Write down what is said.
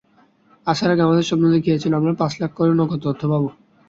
আসার আগে আমাদের স্বপ্ন দেখিয়েছিল, আমরা পাঁচ লাখ করে নগদ অর্থ পাব।